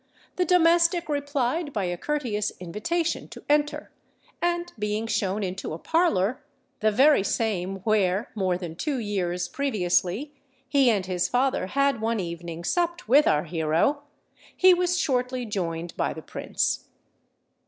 the domestic replied by a courteous invitation to enter; and being shown into a parlour—the very same where more than two years previously he and his father had one evening supped with our hero—he was shortly joined by the Prince.